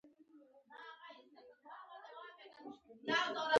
چپه خوله، د زړه قرار دی.